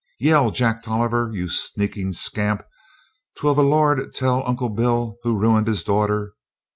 Yell, Jack Tolliver, you sneaking scamp, t'wil the Lord tell Uncle Bill who ruined his daughter.